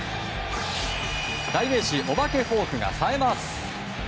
代名詞、お化けフォークがさえます。